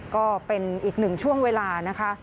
ก็เป็นอีกหนึ่งช่วงเวลานะคะ